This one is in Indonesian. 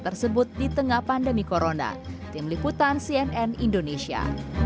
tersebut di tengah pandemi corona tim liputan cnn indonesia